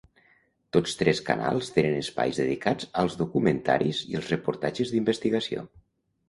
Tots tres canals tenen espais dedicats als documentaris i els reportatges d’investigació.